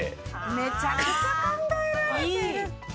めちゃくちゃ考えられてる。